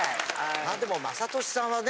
でも雅俊さんはね。